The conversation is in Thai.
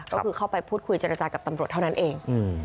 ก็คือเข้าไปพูดคุยเจรจากับตำรวจเท่านั้นเอง